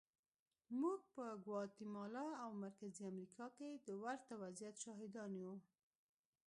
موږ په ګواتیمالا او مرکزي امریکا کې د ورته وضعیت شاهدان یو.